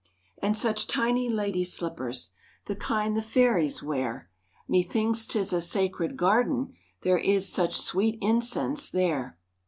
And such tiny lady slippers, The kind the Fairies wear,— Me thinks 'tis a sacred garden, There is such sweet incense there.